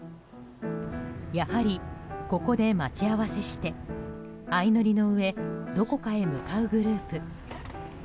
やはり、ここで待ち合わせして相乗りのうえどこかへ向かうグループ。